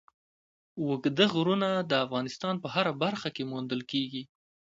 اوږده غرونه د افغانستان په هره برخه کې موندل کېږي.